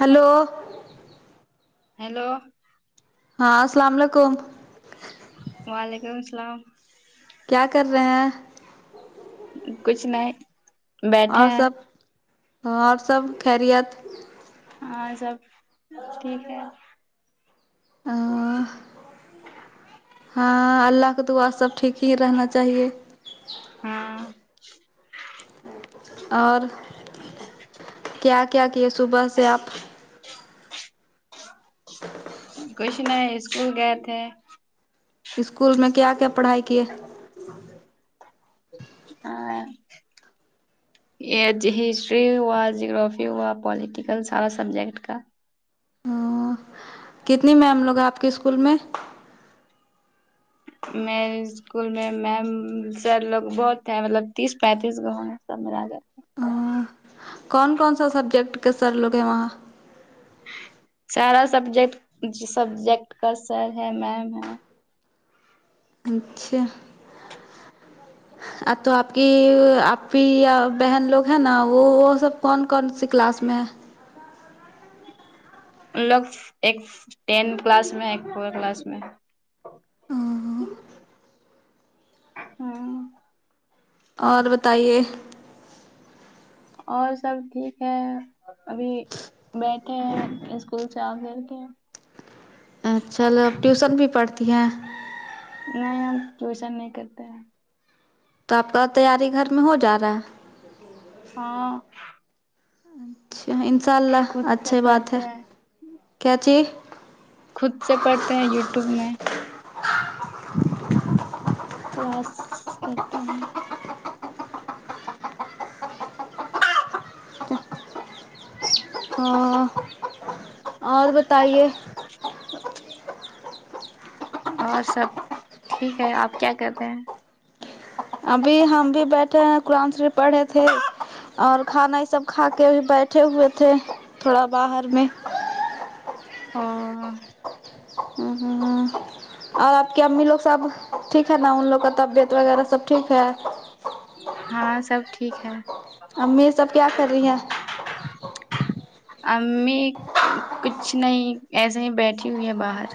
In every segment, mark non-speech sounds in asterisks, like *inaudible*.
hello hello ہاں السلام علیکم وعلیکم السلام کیا کر رہے ہیں کچھ نہیں بیٹھے اور ہیں سب اور سب خریت ہاں سب ٹھیک ہے آ ہاں اللہ کا تو وا سب ٹھیک ہی رہنا چاہیے ہاں اور کیا کیا کیے صبح سے آپ کچھ نہیں اسکول گئے تھے اسکول میں کیا کیا پڑھائی کیے *unintelligible* یہ ہسٹری ہوا جیگررافی ہوا پلییٹیکل سائنس سبجیکٹ کا کتنی میم لوگ ہیں آپ کے اسکول میں میںیز اسکول میں میم سر لوگ بہت ہے مطلب تیس پینتیس لوگ ہونگے سب ملا کے کون کون سا سبجیکٹ کے سر لوگ ہیں وہاں سارا سبجیکٹ سبجیکٹ کا سر ہے میم ہے اچھا ا تو آپ کی آپ کی یا بہن لوگ ہیں نا وہ وہ سب کون کون سی کلاس میں ہیں ان لوگ ایک ٹین کلاس میں ایک فور کلاس میں ہاں اور بتائیے اور سب ٹھیک ہے ابھی بیٹھے ہیں اسکول سے آ کر کے ا چالو اب ٹیوسن بھی پڑھتی ہیں نہیں ہم ٹیوشن نہیں کرتے ہیں تو آپ کا تیاری گھر میں ہو جا رہا ہے ہاں اچھا انشاء اللہ خود سے اچھی بات ہے پڑھتے ہیں کیا چاہیے خود سے پڑھتے ہیں یوٹیوب میں کلاس کرتے ہیں ہاں اور بتائیے اور سب ٹھیک ہے آپ کیا کررہے ہیں ابھی ہم بھی بیٹھے ہیں قرآن شریف پڑھ رہے تھے اور کھانا یہ سب کھا کے بھی بیٹھے ہوئے تھے تھوڑا باہر میں ہاں *unintelligible* اور آپ کی امی لوگ سب ٹھیک ہے نا ان لوگ کا طبیعت وغیرہ سب ٹھیک ہے ہاں سب ٹھیک ہے امی سب کیا کر رہی ہیں امی کچھ نہیں ایسے ہی بیٹھی ہوئی ہے باہر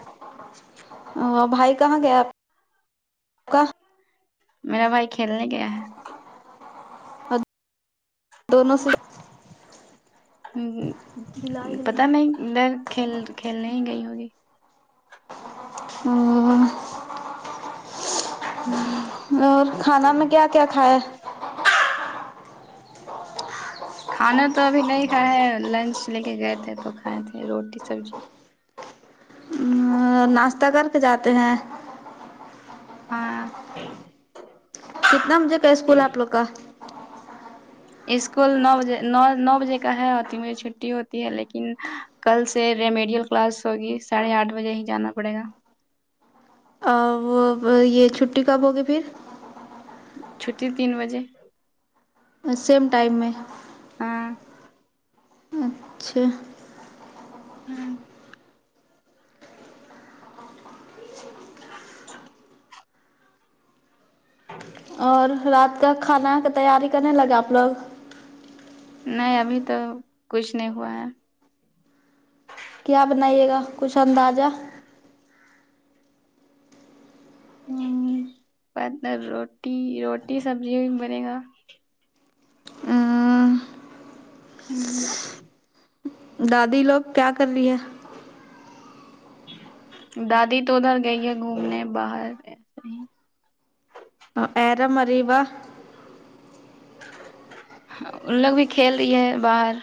بھائی کہاں گیا ہے آپکا میرا بھائی کھیلنے گیا ہے *unintelligible* ہمم پتا نہیں میں کھیل کھیلنے ہی گئی ہوگی ہوں اور کھانا میں کیا کیا کھایا ہے کھانا تو ابھی نہیں کھائے ہے لنچ لے کے گئے تھے تو کھائے تھے روٹی سبزی ناشتہ کر کے جاتے ہیں ہاں کتنا مجھے کا اسکول آپ لوگ کا اسکول نو بجے نو نو بجے کا ہے اور تین بجے چھٹی ہوتی ہے لیکن کل سے ریمیڈیل کلاس ہوگی ساڑھے آٹھ بجے ہی جانا پڑے گا وہ یہ چھٹی کب ہوگی پھر چھٹی تین بجے سیم ٹائم میں ہاں اچھا ہوں اور رات کا کھانا کا تیاری کرنے لگا آپ لوگ نہیں ابھی تو کچھ نہیں ہوا ہے کیا بنائیے گا کچھ اندازہ ہمم پہلے روٹی روٹی سبزی بنے گا دادی لوگ کیا کر رہی ہے دادی تو ادھر گئی ہے گھومنے باہر ایسے ہی ائرم اریبہ ہاں ان لوگ بھی کھیل رہی ہے باہر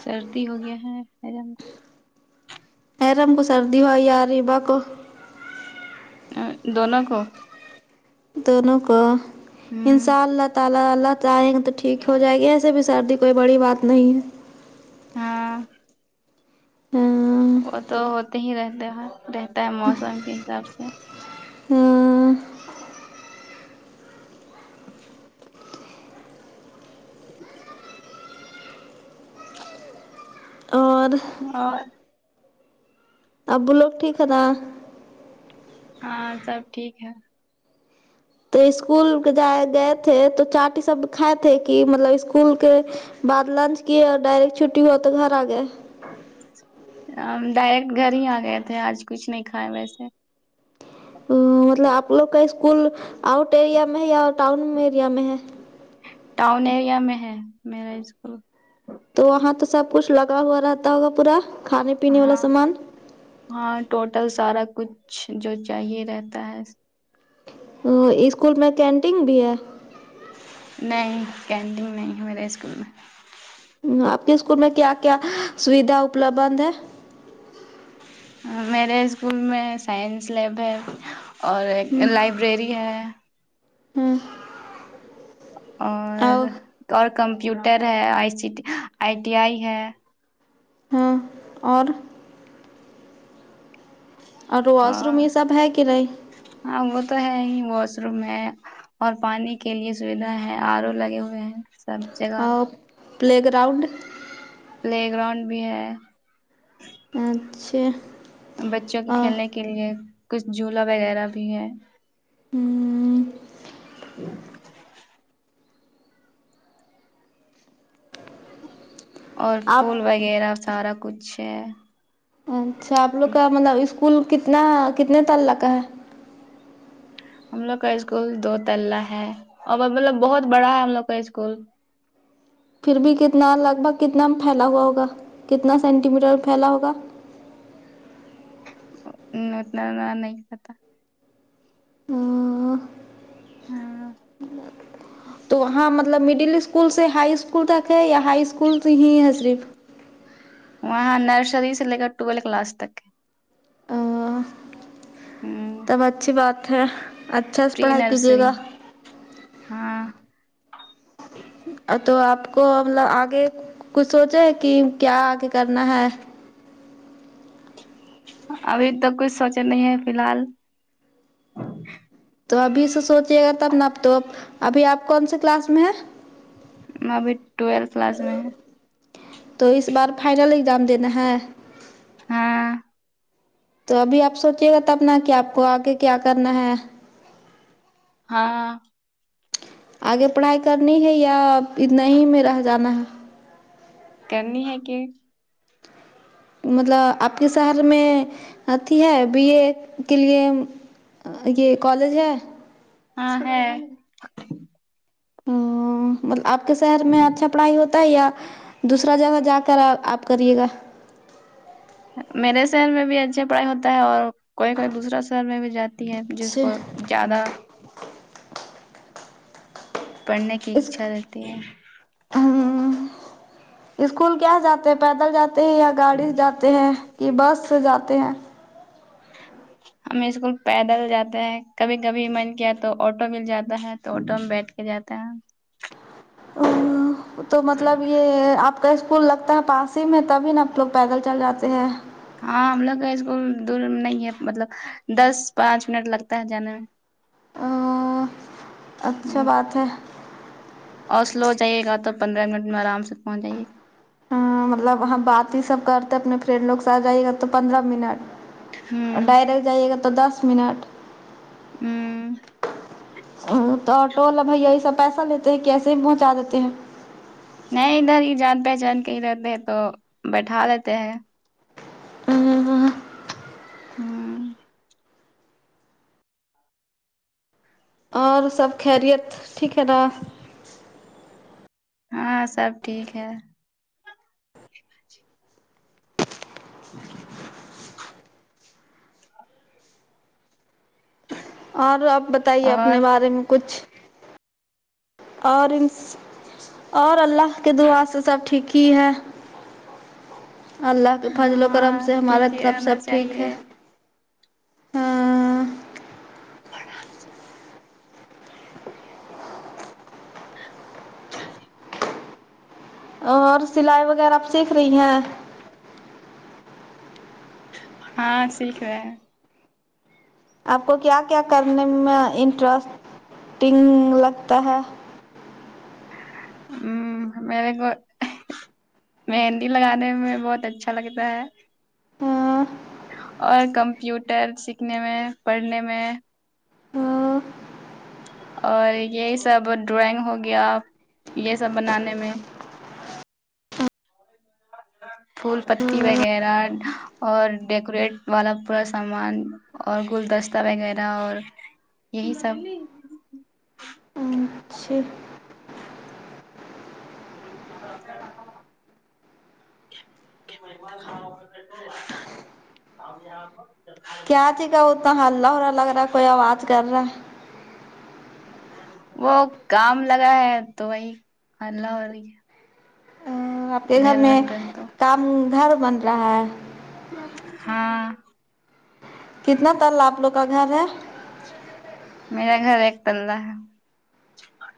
سردی ہو گیا ہے ارم کو سردی ہو اریبہ دونوں کو دونوں کو ہوں انشاء اللہ تعالی اللہ چاہئے تو ٹھیک ہو جائے گی ایسے بھی سردی کوئی بڑی بات نہیں ہے ہاں ہاں وہ تو ہوتے ہی رہتے ہیں رہتا ہے موسم کے حساب سے اور اور ابو لوگ ٹھیک ہے نا ہاں سب ٹھیک ہے تو اسکول کے جائے تھے تو چاٹ سب کائے تھے کہ مطلب اسکول کے بعد لنچ کی اور ڈائریکٹ چھٹی ہوا تو گھر آ گئے ڈائریکٹ گھر ہی آ گئے تھے آج کچھ نہیں کھائے ویسے مطلب آپ لوگ کا اسکول آؤٹ ایریا میں ہے یا ٹؤن ایریا میں ہے ٹاؤن ایریا میں ہے میرا اسکول تو وہاں تو سب کچھ لگا ہوا رہتا ہوگا پورا کھانے پینے والا ہاں سامان ہاں ٹوٹل سارا کچھ جو چاہیے رہتا ہے ا اسکول میں کینٹین بھی ہے نہیں کینٹینگ نہیں ہے میرے اسکول میں آپ کے اسکول میں کیا کیا سویدھا اپلبھ ہے میرے اسکول میں سائنس لیب ہے اور ہ ایک لائبریری ہے ہ اور اور کمپیوٹر ہے آئی سی آئی ٹی آئی ہے ہاں اور اور واش روم یہ سب ہے کہ نہیں ہاں وہ تو ہے ہی واش روم میں اور پانی کے لیے سویدھا ہے آر او لگے ہوئے ہیں سب جگہ اور پلے گراؤنڈ پلے گراؤنڈ بھی ہے اچھا بچوں کے کھیلنے کے لیے کچھ جھولا وغیرہ بھی ہے اور آپ پھول وغیرہ سارا کچھ ہے اچھا آپ لوگ کا مطلب اسکول کتنا کتنے تللہ کا ہے ہم لوگ کا اسکول دو تللہ ہے اور مطلب بہت بڑا ہے ہم لوگ کا اسکول پھر بھی کتنا لگ بھگ کتنا پھیلا ہوا ہوگا کتنا سینٹی میٹر پھیلا ہوگا ہ اتنا نا نہیں پتا ہاں تو ہاں مطلب مڈل اسکول سے ہائی اسکول تک ہے یا ہائی اسکول ہی ہے صرف وہاں نرسری سے لے کر ٹویلو کلاس تک صرف ہ تب اچھی بات ہے اچھا سے پری پڑھائی کیجیے نرسری گا ہاں ا تو آپ کو مطلب آگے کچھ سوچا کہ کیا آگے کرنا ہے ابھی تک کچھ سوچے نہیں ہے فیل حال تو ابھی سے سوچیے گا تب نا اب تو ابھی آپ کون سے کلاس میں ہے میں ابھی ٹویلتھ کلاس میں ہیں تو اس بار فائنل اگزام دینا ہے ہاں تو ابھی آپ سوچیے گا تب ن کہ آپ کو آگے کیا کرنا ہے ہاں آگے پڑھائی کرنی ہے یا اتنا ہی میں رہ جانا ہے کرنی ہے کہ مطلب آپ کے شہر میں اتیھی ہے بی اے کے لیے یہ کالج ہے ہاں ہے ا آپ کے شہر میں اچھا پڑھائی ہوتا ہے یا دوسرا جگہ جا کر آپ کریے گا میرے شہر میں بھی اچھے پڑھائی ہوتا ہے اور کوئی کوئی دوسرا شہر میں بھی جاتی ہے جس اچھا کو زیادہ پڑھنے کی اچھا رہتی ہے ہ اسکول کیا جاتے ہیں پیدل جاتے ہیں یا گاڑی سے جاتے تے ہیں کہ بس سے جاتے ہیں ہمیں اسکول پیدل جاتے ہے کبھی کبھی من کیا تو آٹو مل جاتا ہے تو آٹو میں بیٹھ کے جاتا ہے ہ تو مطلب یہ آپ کا اسکول لگتا ہے پاس ہی میں تبھی نا لوگ پیدل چل جاتے ہیں ہاں ہم لوگ کا اسکول دور نہیں ہے مطلب دس پانچ منٹ لگتا ہے جانے میں ا اچھا میں ہ بات ہے اور سلو جائے گا تو پندرہ منٹ میں آرام سے پہنچ جائیے ہ مطلب ہم بات ہی سب کرتے اپنے فرینڈ لوگ سات جائیےگا تو پندرہ منٹ اور ہ ڈائریکٹ جائیے گا تو دس منٹ ہوں ہوں تو آٹو والا بھیا یہ سب پیسہ لیتے ہیں کے ایسے ہی پہنچا دیتے ہیں نہیں ادھر ہی جان پہچان کے ادھر رہ تو بیٹھا لیتے ہیں ھم اور سب خیریت ٹھیک ہے نا ہاں سب ٹھیک ہے اور آپ بتائیے اور اپنے بارے میں کچھ اور ان اور اللہ کے دعا سے سب ٹھیک ہی ہے اللہ کے فضل و کرم ہاں سے ہمارا ٹھیک ہی طرف رہنا سب ٹھیک ہے چاہیے ہاں *unintelligible* اور سلائی وغیرہ آپ سیکھ رہی ہیں ہاں سیکھ رہ ہے آپ کو کیا کیا کرنے میں انٹریسٹنگ لگتا ہے ہ میرے کو مہندی لگانے میں بہت اچھا لگتا ہے ہاں اور کمپیوٹر سیکھنے میں پڑھنے میں اور یہی سب ڈرائنگ ہو گیا یہ سب بنانے میں پھول پتی وغیرہ اور ڈیکوریٹ والا پورا سامان اور گلدستہ وغیرہ اور یہی سب اچھا *unintelligible* کیا تھی گا اتنہ ہلہ ہولا لگ رہا کوئی آواز کر رہا ہے وہ کام لگا ہے تو وہی ہلہ ہو رہی ہے ہے آپ کے گھر میں بن رہا ہے تو کام گھر بن رہا ہے ہاں کتنا تال آپ لوگ کا گھر ہے میرا گھر ایک تللہ ہے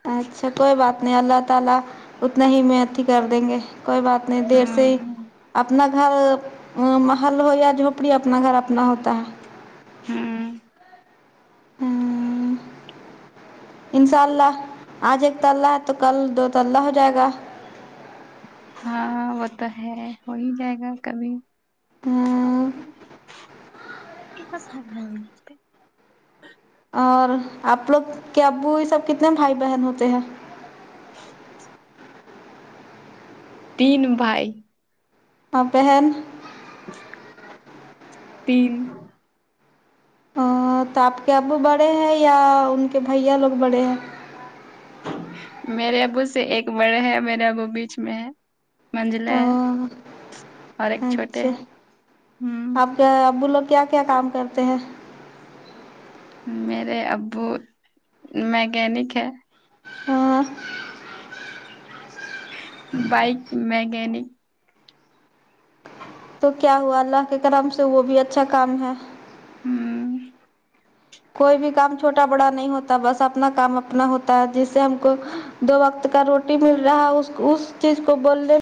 اچھا کوئی بات نہیں اللہ تعالی اتنا ہی میںت ہی کر دیں گے کوئی بات نہیں دیر ہ سے ہی اپنا گھر محل ہو یا جھونپڑی اپنا گھر اپنا ہوتا ہے ہاں انشاء اللہ آج ایک تلہ ہے تو کل دو تللہ ہو جائے گا ہاں وہ تو ہے ہو ہی جائے گا کبھی *unintelligible* اور آپ لوگ کے ابو یہ سب کتنے بھائی بہن ہوتے ہیں ا تین بھائی اور بہن تین تو آپ کے ابو بڑے ہیں یا ان کے بھیا لوگ بڑے ہیں میرے ابو سے ایک بڑے ہے میرے ابو بیچ میں ہے منجلے ہے اور ایک چھوٹے اچھا ہے ہ آپ کیا ابو لوگ کیا کیا کام کرتے ہیں میرے ابو میکینک ہے ہاں بائک میکینک ہ تو کیا ہوا اللہ کے کرم سے وہ بھی اچھا کام ہے ہمم کوئی بھی کام چھوٹا بڑا نہیں ہوتا بس اپنا کام اپنا ہوتا ہے جس سے ہم کو دو وقت کا روٹی مل رہا اس اس چیز کو بولنے